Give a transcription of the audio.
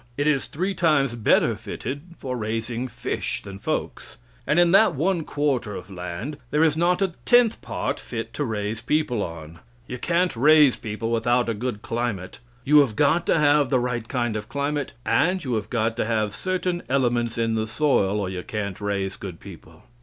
It is three times better fitted for raising fish than folks, and in that one quarter of land there is not a tenth part fit to raise people on. You can't raise people without a good climate. You have got to have the right kind of climate, and you have got to have certain elements in the soil, or you can't raise good people.